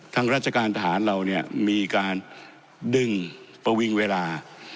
ทางราชการทหารเราเนี่ยมีการดึงประวิงเวลา